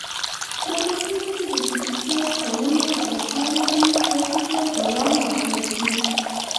د پښتو ژبې د ډیجیټل کولو لپاره دې هڅو ته دوام ورکړل شي.